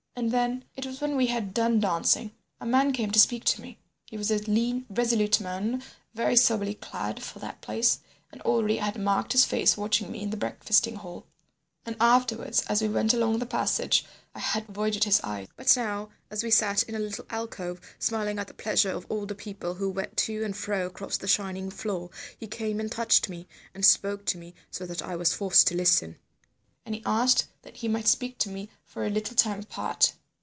"And then—it was when we had done dancing—a man came to speak to me. He was a lean, resolute man, very soberly clad for that place, and already I had marked his face watching me in the breakfasting hall, and afterwards as we went along the passage I had avoided his eye. But now, as we sat in a little alcove, smiling at the pleasure of all the people who went to and fro across the shining floor, he came and touched me, and spoke to me so that I was forced to listen. And he asked that he might speak to me for a little time apart.